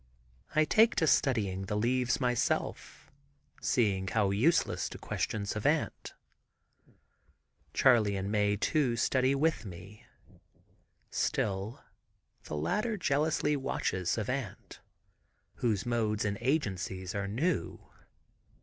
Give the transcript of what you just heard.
I take to studying the leaves myself, seeing how useless to question Savant. Charley and Mae too study with me. Still, the latter jealously watches Savant. Whose modes and agencies are new.